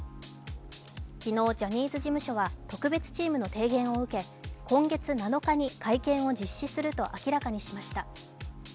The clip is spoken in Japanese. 昨日、ジャニーズ事務所は特別チームの提言を受け、今月７日に会見を実施すると明らかにしました。